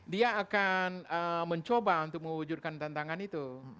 dia akan mencoba untuk mewujudkan tantangan itu